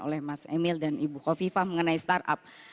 oleh mas emil dan ibu kofifa mengenai startup